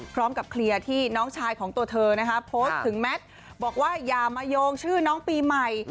พร้อมกับเคลียร์ที่น้องชายของตัวเธอนะคะโพสต์ถึงแมทบอกว่าอย่ามาโยงชื่อน้องปีใหม่